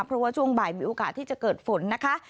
เพราะว่าช่วงบ่ายมีโอกาสที่จะเกิดฝนนะคะ